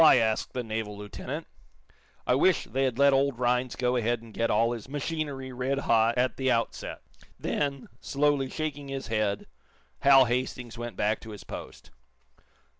asked the naval lieutenant. "I wish they had let old Rhinds go ahead and get all his machinery red hot at the outset." Then, slowly shaking his head, Hal Hastings went back to his post.